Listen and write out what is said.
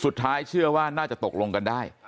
สุดท้ายเชื่อว่าน่าจะตกลงกันได้